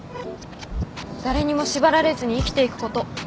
誰にも縛られずに生きていくこと。